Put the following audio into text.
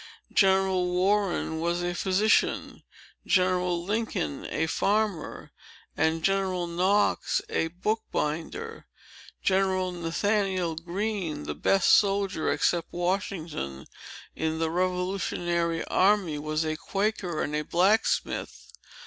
General Warren was a physician, General Lincoln a farmer, and General Knox a bookbinder. General Nathaniel Greene, the best soldier, except Washington, in the revolutionary army, was a Quaker and a blacksmith.